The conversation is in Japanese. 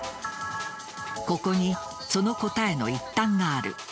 ここに、その答えの一端がある。